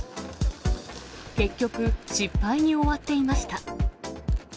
結局、失敗に終わっていました。